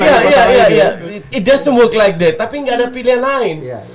itu tidak bisa berjalan seperti itu tapi tidak ada pilihan lain